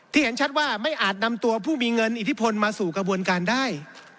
เห็นชัดว่าไม่อาจนำตัวผู้มีเงินอิทธิพลมาสู่กระบวนการได้